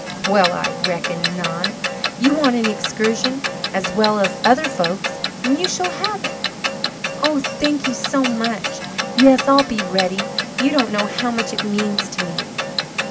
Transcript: "Well, I reckon not! You want an excursion as well as other folks, and you shall have it." "Oh, thank you so much. Yes, I'll be ready. You don't know how much it means to me."